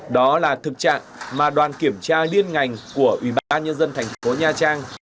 đó là thực trạng mà đoàn kiểm tra liên ngành của ubnd thành phố nha trang